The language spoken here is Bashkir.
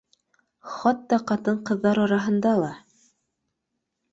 Хатта ҡатын-ҡыҙҙар араһында ла